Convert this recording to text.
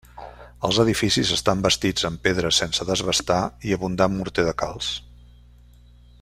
Els edificis estan bastits amb pedra sense desbastar i abundant morter de calç.